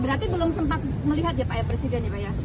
berarti belum sempat melihat ya pak ya presiden ya pak ya